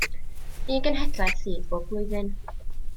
Un genhedlaeth sydd bob blwyddyn.